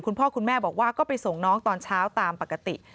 คุณพ่อคุณแม่บอกว่าก็ไปส่งน้องตอนเช้าตามปกติ